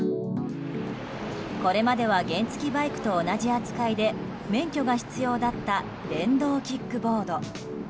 これまでは、原付きバイクと同じ扱いで免許が必要だった電動キックボード。